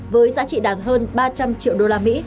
với giá trị đạt hơn ba trăm linh triệu đô la mỹ